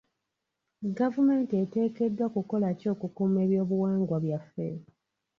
Gavumenti eteekeddwa kukola ki okukuuma ebyobuwangwa byaffe?